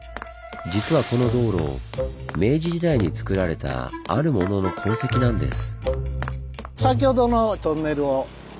実はこの道路明治時代につくられたあるものの痕跡なんです。